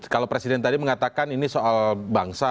kalau presiden tadi mengatakan ini soal bangsa